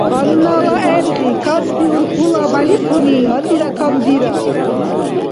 Гьаннала гӀергъи Каспи урхьула бялихъуни гьатӀира камдирар.